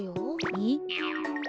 えっ！？